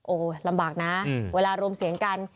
โอ้โหลำบากนะเวลารวมเสียงกัน